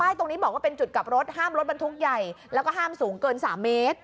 ใช่ตรงนี้บอกว่าเป็นจุดกลับรถห้ามรถบรรทุกใหญ่แล้วก็ห้ามสูงเกิน๓เมตร